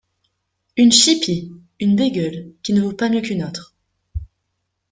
Une chipie ! une bégueule, qui ne vaut pas mieux qu’une autre.